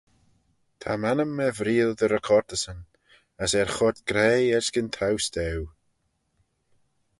Ta m'annym er vreayll dty recortyssyn: as er choyrt graih erskyn towse daue.